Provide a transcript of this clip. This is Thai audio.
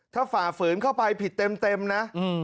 ถ้าฝ่าฝืนเข้าไปผิดเต็มนะ